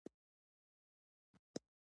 ته زما په ځانګړي مال کې حق لرې.